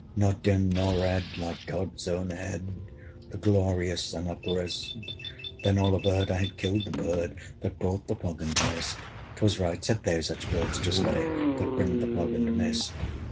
Nor dim nor red, like God's own head, The glorious Sun uprist: Then all averred, I had killed the bird That brought the fog and mist. 'Twas right, said they, such birds to slay, That bring the fog and mist.